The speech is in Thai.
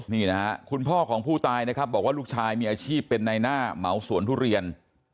นี่นะครับคุณพ่อของผู้ตายนะครับบอกว่าลูกชายมีอาชีพเป็นในหน้าเหมาสวนทุเรียน